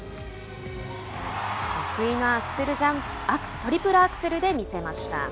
得意のトリプルアクセルでみせました。